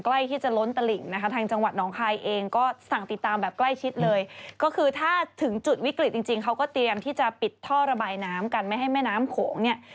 เพราะว่าถ้าเกิดว่าน้ำเยอะมากเนี่ยถ้าถึง๑๑๔๐เมตรนี่ก็ต้องระวัง